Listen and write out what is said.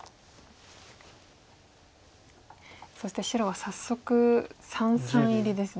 そして白は早速三々入りですね。